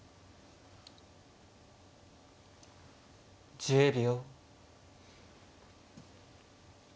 １０秒。